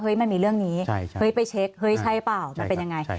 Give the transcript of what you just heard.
มันมีเรื่องนี้เฮ้ยไปเช็คเฮ้ยใช่เปล่ามันเป็นยังไง